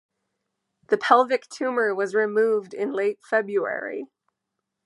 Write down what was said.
The pelvic tumor was removed in late February.